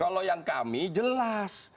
kalau yang kami jelas